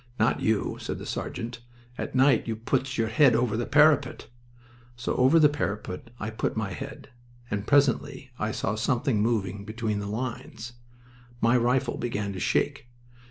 'Not you,' said the sergeant. 'At night you puts your head over the parapet.' So over the parapet I put my head, and presently I saw something moving between the lines. My rifle began to shake.